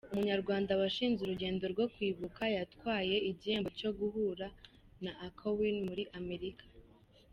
Umunyarwanda washinze Urugendo Rwokwibuka yatwaye igihembo cyo guhura na Akoni muri Amerika